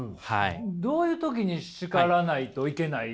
どういう時に叱らないといけない？